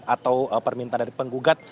atau permintaan dari penggugat